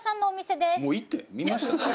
見ましたよ。